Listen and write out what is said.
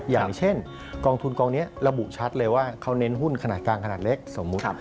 อย่างเช่นกองทุนกองนี้ระบุชัดเลยว่าเขาเน้นหุ้นขนาดกลางขนาดเล็กสมมุติ